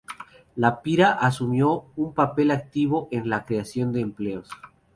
La Pira asumió un papel activo en la creación de empleos.